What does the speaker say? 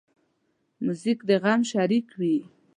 موزیک د غم شریک وي.